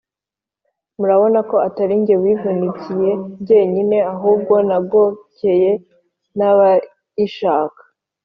Murabona ko atari jye wivunikiye jyenyine, ahubwo nagokeye n’abayishak